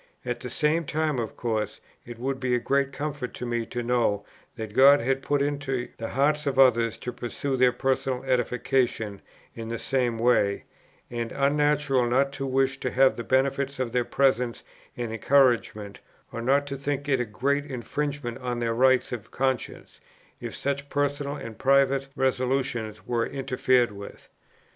At the same time of course it would be a great comfort to me to know that God had put it into the hearts of others to pursue their personal edification in the same way, and unnatural not to wish to have the benefit of their presence and encouragement, or not to think it a great infringement on the rights of conscience if such personal and private resolutions were interfered with.